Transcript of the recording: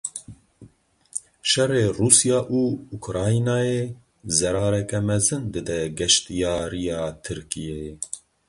Şerê Rûsya û Ukraynayê zerareke mezin dide geştyariya Tirkiyeyê.